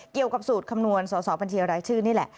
เกี่ยวกับสูตรคำนวณสอสอปาร์ตี้ลิสต์ชื่อนี่แหละ